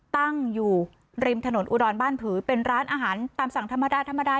ตั้งอยู่ริมถนนอุดรบ้านผือเป็นร้านอาหารตามสั่งธรรมดาธรรมดา